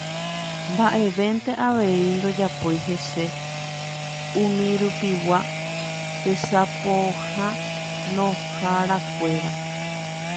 Mba'evénte avei ndojapói hese umirupigua tesapohãnoharakuéra.